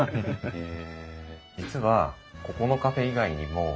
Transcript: へえ。